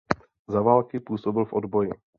Za války působil v odboji.